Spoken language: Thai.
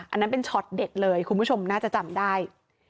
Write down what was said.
อันนั้นเป็นช็อตเด็ดเลยคุณผู้ชมน่าจะจำได้